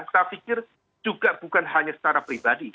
saya pikir juga bukan hanya secara pribadi